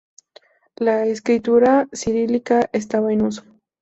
La escritura cirílica estaba en uso.